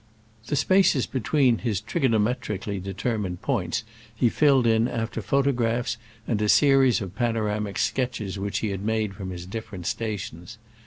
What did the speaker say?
The spaces between his trigonometrically determined points he filled in after photographs and a series of panoramic sketches which he made from his different stations.